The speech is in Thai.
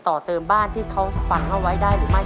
ตัวเลือดที่๓ม้าลายกับนกแก้วมาคอ